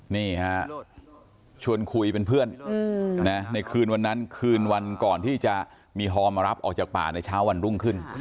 นี่ฮะชวนคุยเป็นเพื่อนในคืนวันนั้นคืนวันก่อนที่จะมีฮอมารับออกจากป่าในเช้าวันรุ่งขึ้น